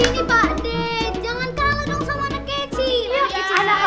jangan kalau lu kecil kecil aja